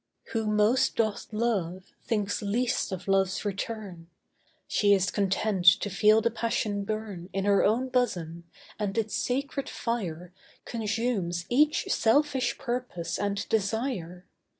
ESTHER Who most doth love thinks least of love's return; She is content to feel the passion burn In her own bosom, and its sacred fire Consumes each selfish purpose and desire.